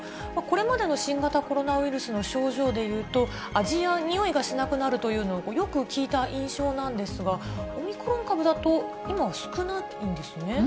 これまでの新型コロナウイルスの症状でいうと、味やにおいがしなくなるというのはよく聞いた印象なんですが、オミクロン株だと、今、少ないんですね。